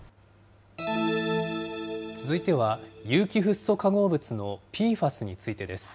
続いては、有機フッ素化合物のＰＦＡＳについてです。